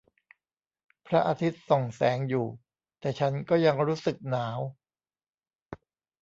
พระอาทิตย์ส่องแสงอยู่ แต่ฉันก็ยังรู้สึกหนาว